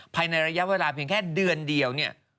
ภายในระยะเวลาเพียงแค่เดือนเดียวเนี่ย